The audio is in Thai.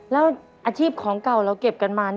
แล้วอาชีพของเก่าเราเก็บกันมา